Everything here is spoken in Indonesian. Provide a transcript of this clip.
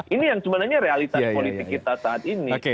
ini yang sebenarnya realitas politik kita saat ini